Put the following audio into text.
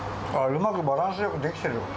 うまくバランスよくできてる。